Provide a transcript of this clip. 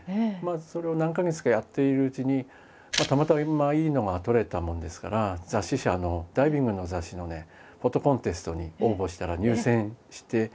それを何か月かやっているうちにたまたまいいのが撮れたものですから雑誌社のダイビングの雑誌のねフォトコンテストに応募したら入選して。